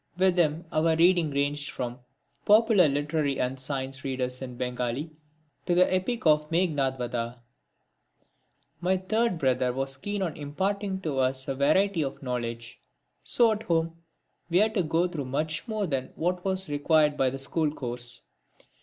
With him our reading ranged from popular literary and science readers in Bengali to the epic of Meghnadvadha. My third brother was very keen on imparting to us a variety of knowledge. So at home we had to go through much more than what was required by the school course.